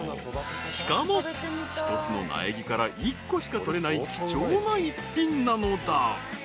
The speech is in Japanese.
［しかも１つの苗木から１個しか取れない貴重な一品なのだ］